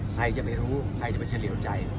ใครจะไปรู้เธอ